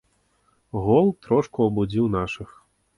Гол трошку абудзіў нашых.